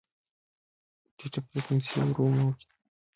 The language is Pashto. ټیټه فریکونسي ورو موج دی.